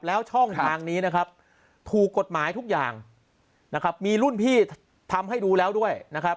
แล้วช่องทางนี้นะครับถูกกฎหมายทุกอย่างนะครับมีรุ่นพี่ทำให้ดูแล้วด้วยนะครับ